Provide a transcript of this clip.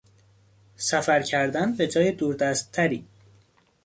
سفر کردن به جای دوردستتری